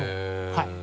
はい。